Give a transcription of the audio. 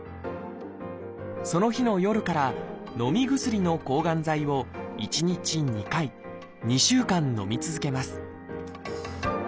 その日の夜からのみ薬の抗がん剤を１日２回２週間のみ続けます。